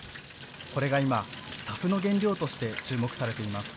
これが今、ＳＡＦの原料として注目されています。